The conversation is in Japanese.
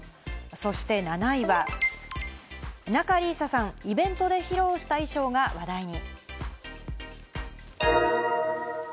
そして７位は、仲里依紗さん、イベントで披露した衣装が話題に。